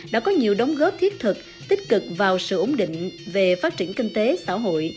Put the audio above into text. đã có nhiều đóng góp thiết thực tích cực vào sự ổn định về phát triển kinh tế xã hội